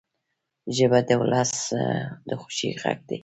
ژبه د ولس د خوښۍ غږ دی